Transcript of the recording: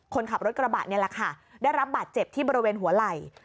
คนขับรถกระบะนี่แหละค่ะได้รับบาดเจ็บที่บริเวณหัวไหล่